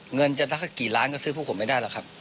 เงินจะสักกี่ล้านก็ซื้อพวกผมไม่ได้หรอกครับ